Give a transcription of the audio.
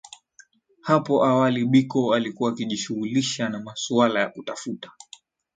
Hapo awali Biko alikuwa akijishughulisha na masuala ya kutafuta